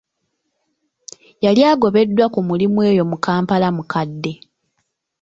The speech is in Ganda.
Yali agobeddwa ku mulimu eyo mu kampala mukadde.